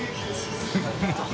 フフフ